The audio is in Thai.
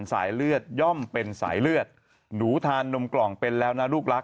สายเลือดย่อมเป็นสายเลือดหนูทานนมกล่องเป็นแล้วนะลูกรัก